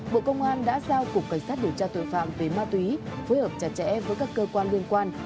bộ công an đã giao cục cảnh sát điều tra tội phạm về ma túy phối hợp chặt chẽ với các cơ quan liên quan